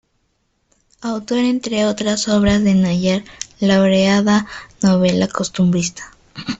Autor entre otras obras de "Nayar", laureada novela costumbrista.